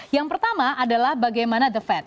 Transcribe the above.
yang pertama adalah bagaimana the fed